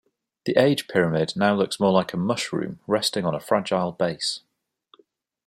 The age pyramid now looks more like a 'mushroom' resting on a fragile base.